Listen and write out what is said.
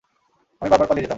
আমি বারবার পালিয়ে যেতাম।